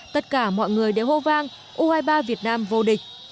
tất cả mọi người đều hô vang u hai mươi ba việt nam vô địch